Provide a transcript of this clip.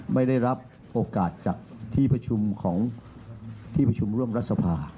ไม่ได้รับโอกาสจากที่ประชุมร่วมรัฐสภา